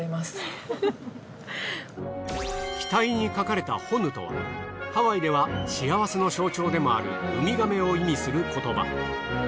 機体に描かれたホヌとはハワイでは幸せの象徴でもあるウミガメを意味する言葉。